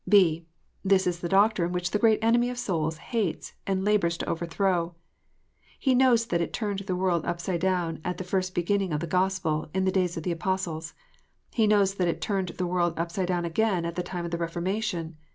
(b) This is the doctrine which tlie great enemy of souls hates, and labours to overthrow. He knows that it turned the world upside down at the first beginning of the Gospel, in the days of the Apostles. He knows that it turned the world upside down again at the time of the Reformation.